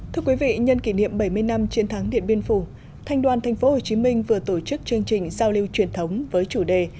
thưa quý vị nhân kỷ niệm bảy mươi năm chiến thắng điện biên phủ thanh đoàn tp hcm vừa tổ chức chương trình giao lưu truyền thống với chủ đề